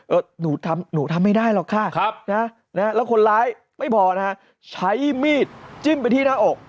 หนูทำหนูทำไม่ได้หรอกค่ะนะแล้วคนร้ายไม่พอนะฮะใช้มีดจิ้มไปที่หน้าอก